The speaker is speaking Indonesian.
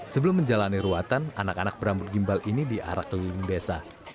sebelum menjalani ruatan anak anak berambut gimbal ini diarak keliling desa